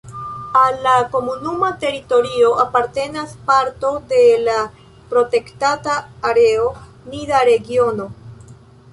Al la komunuma teritorio apartenas parto de la protektata areo Nida-Regiono.